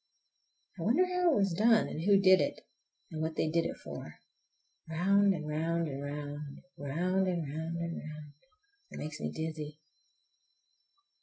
I wonder how it was done and who did it, and what they did it for. Round and round and round—round and round and round—it makes me dizzy!